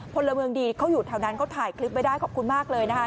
พลเมืองดีเขาอยู่แถวนั้นเขาถ่ายคลิปไว้ได้ขอบคุณมากเลยนะคะ